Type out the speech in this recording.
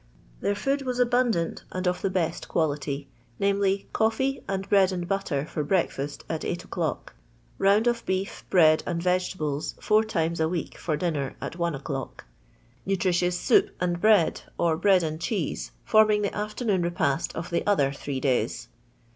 Their food was abimdant and of the best quality, viz., coffee and bread and butter for breakiust, at eight o'clock; round of beef, bread, and vegetables, four times a Week for dinner, at one o'clock ; nutritious soup and bread, or bread and cheese, forming Aggftemoon repast of the other three days.